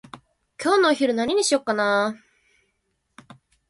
今日のお昼何にしようかなー？